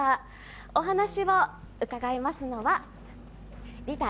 お話を伺いますのはＲＩＴＡ